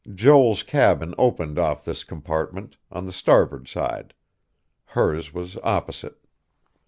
Joel's cabin opened off this compartment, on the starboard side; hers was opposite.